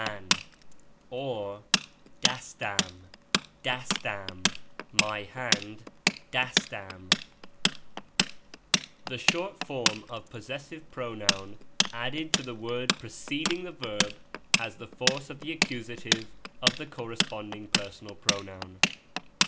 aasiam, 57 The short form of possessive pronoun added to the word preceding the verb has the foice of the accusative of the corresponding personal pronoun.